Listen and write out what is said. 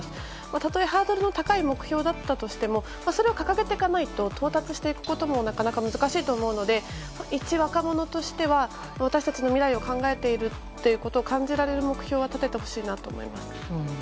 たとえ、ハードルの高い目標だったとしてもそれを掲げていかないと到達していくこともなかなか難しいと思うのでいち若者としては私たちの未来を考えているということを感じられる目標は立ててほしいなと思います。